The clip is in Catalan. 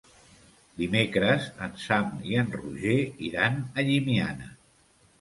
Dimecres en Sam i en Roger iran a Llimiana.